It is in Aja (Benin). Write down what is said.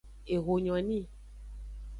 Eho nyo ni.